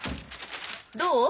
どう？